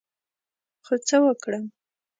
خو څه وکړم ؟